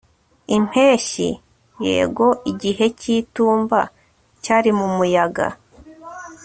impeshyi, yego, igihe cy'itumba cyari mu muyaga